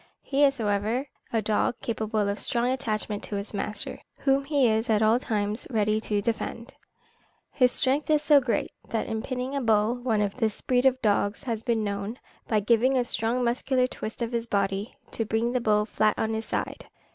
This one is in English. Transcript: He is, however, a dog capable of strong attachment to his master, whom he is at all times ready to defend. His strength is so great, that in pinning a bull, one of this breed of dogs has been known, by giving a strong muscular twist of his body, to bring the bull flat on his side.